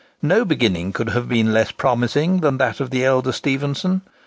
No beginning could have been less promising than that of the elder Stephenson.